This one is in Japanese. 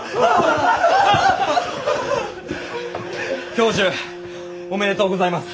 教授おめでとうございます！